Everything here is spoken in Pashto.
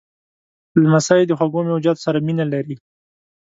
لمسی د خوږو میوهجاتو سره مینه لري.